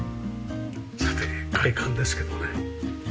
さて外観ですけどね